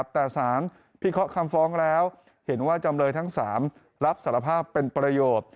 แต่สารพิเคราะห์คำฟ้องแล้วเห็นว่าจำเลยทั้ง๓รับสารภาพเป็นประโยชน์